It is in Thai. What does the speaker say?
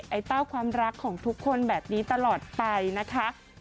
เต้าความรักของทุกคนแบบนี้ตลอดไปนะคะ